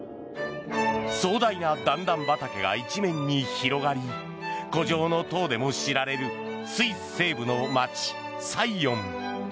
壮大な段々畑が一面に広がり古城の塔でも知られるスイス西部の街サイヨン。